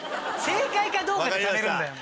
正解かどうかでためるんだよ。